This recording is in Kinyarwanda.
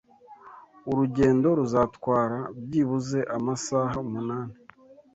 Urugendo ruzatwara byibuze amasaha umunani.